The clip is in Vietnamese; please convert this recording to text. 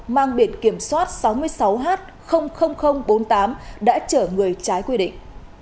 mang biển kiểm soát sáu mươi sáu h bốn mươi tám đã chở người trái quy định